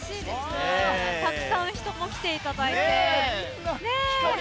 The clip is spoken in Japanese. たくさん人も来ていただいて。